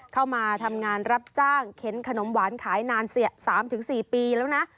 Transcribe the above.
เข้ามาทำงานรับจ้างเข็นขนมหวานขายนาน๓๔ปีแล้วนะ